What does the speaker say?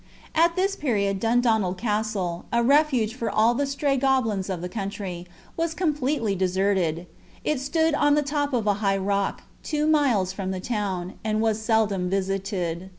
At this period Dundonald Castle, a refuge for all the stray goblins of the country, was completely deserted. It stood on the top of a high rock, two miles from the town, and was seldom visited.